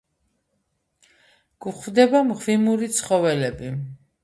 გვხვდება მღვიმური ცხოველები.